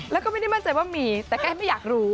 แล้วก็ไม่ได้มั่นใจว่ามีแต่แกไม่อยากรู้